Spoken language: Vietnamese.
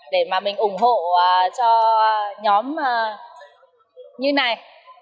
để mà mình ủng hộ cho nhóm như này